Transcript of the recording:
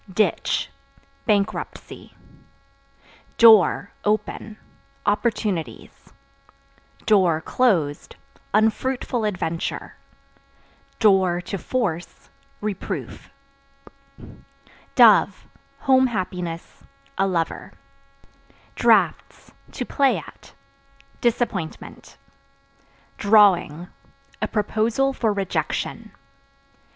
Ditch Bankruptcy. Door (Open) opportunities; (closed) unfruitful adventure; (to force) reproof. Dove Home happiness, a lover. Draughts (To play at) disappointment. Drawing A proposal for rejection.